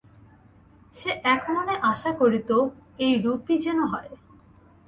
সে একমনে আশা করিত, এই রূপই যেন হয়।